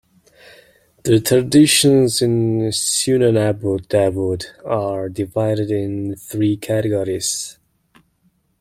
The traditions in "Sunan Abu Dawud" are divided in three categories.